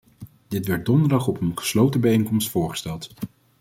Dit werd donderdag op een gesloten bijeenkomst voorgesteld.